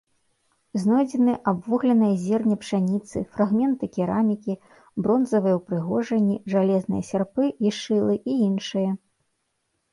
Знойдзены абвугленае зерне пшаніцы, фрагменты керамікі, бронзавыя ўпрыгожанні, жалезныя сярпы і шылы і іншае.